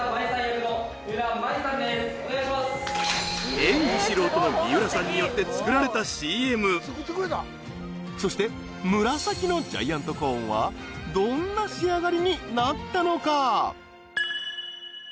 演技素人の三浦さんによって作られたＣＭそして紫のジャイアントコーンはどんな仕上がりになったのか？